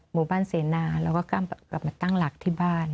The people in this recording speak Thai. หมู่บ้านเศรนาเราก็กลับกลับมาตั้งหลักที่บ้าน